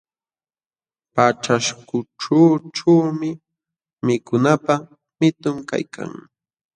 Paćhaśhkućhućhuumi mikunapaq mitu kaykan.